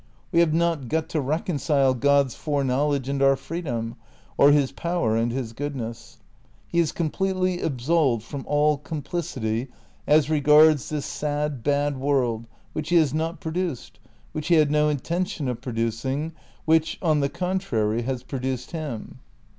We have not got to reconcile God's fore knowledge and our freedom, or his power and his goodness. He is completely absolved from all complicity as regards this sad, bad world, which he has not produced, which he had no intention of producing, which, on the con trary, has produced him.